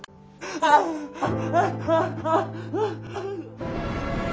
アハハハハ。